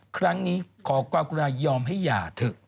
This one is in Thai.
ครั้งนี้ขอกว่ากุณายอมให้อย่าถึง